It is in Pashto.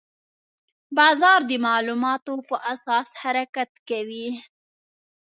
بازار د معلوماتو په اساس حرکت کوي.